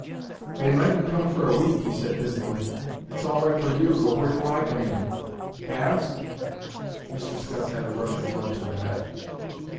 "They mightn't come for a week," he said, dismally. "It's all right for you, but where do I come in? Halves?" Mr. Scutts had a rush of blood to the head.